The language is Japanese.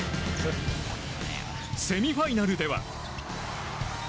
セミファイナルでは。